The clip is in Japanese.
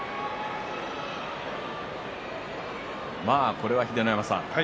これは秀ノ山さん